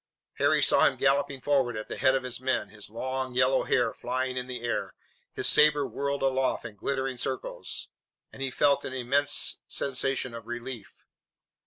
Harry saw him galloping forward at the head of his men, his long, yellow hair flying in the air, his sabre whirled aloft in glittering circles, and he felt an immense sensation of relief.